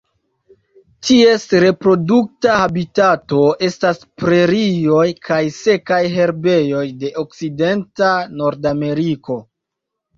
Ties reprodukta habitato estas prerioj kaj sekaj herbejoj de okcidenta Nordameriko.